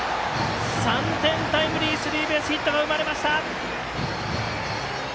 ３点タイムリースリーベースヒットが生まれました。